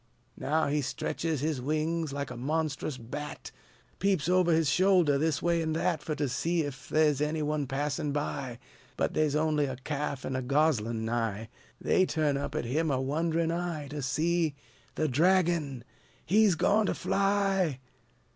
Now he stretches his wings, like a monstrous bat, Peeps over his shoulder, this way an' that, Fur to see 'f the 's any one passin' by; But the' 's on'y a ca'f an' a goslin' nigh. They turn up at him a wonderin' eye, To see The dragon! he's goin' to fly!